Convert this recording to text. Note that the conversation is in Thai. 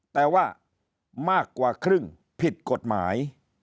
แต่ว่ามากกว่าครึ่งผิดกฎหมาย